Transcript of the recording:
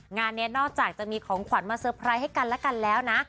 งานนี้นอกจากจะมีของขวัญมาเตอร์ไพรส์ให้กันและกันแล้วนะ